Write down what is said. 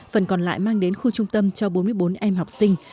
phần còn lại mang đến khu trung tâm cho bốn mươi bốn em học sinh